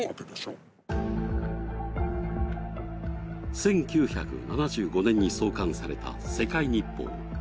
１９７５年に創刊された「世界日報」。